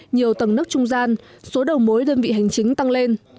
nhiều tầng nấc trung gian số đầu mối đơn vị hành chính tăng lên